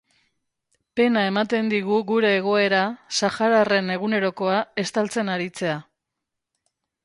Pena ematen digu gure egoera sahararren egunerokoa estaltzen aritzea.